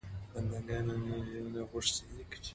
پنډه انګيا په ژمي کي اغوستل کيږي.